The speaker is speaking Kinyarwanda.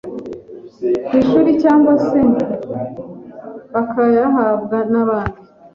ku ishuri cyangwa se bakayahabwa n’abandi